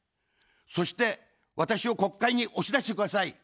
そして私を国会に押し出してください。